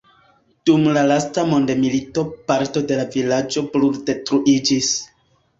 Dum la lasta mondomilito parto de la vilaĝo bruldetruiĝis.